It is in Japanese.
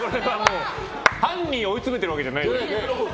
犯人を追いつめてるわけじゃないでしょ。